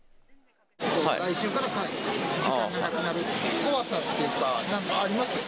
来週から時間がなくなるという怖さっていうか、なんかあります？